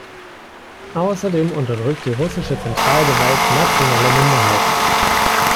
Außerdem unterdrückt die russische Zentralgewalt nationale Minderheiten.